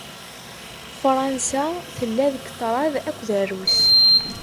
Fransa tella deg ṭṭraḍ akked Rrus.